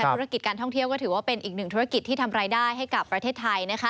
ธุรกิจการท่องเที่ยวก็ถือว่าเป็นอีกหนึ่งธุรกิจที่ทำรายได้ให้กับประเทศไทยนะคะ